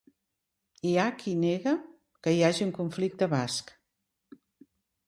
Hi ha qui nega que hi hagi un conflicte basc.